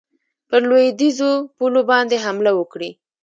پر لوېدیخو پولو باندي حمله وکړي.